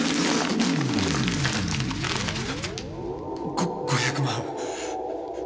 ご５００万。